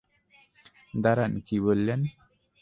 দাঁড়ান, কী বললেন?